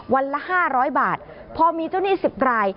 วันละ๕๐๐บาทพอมีเจ้าหนี้๑๐ราย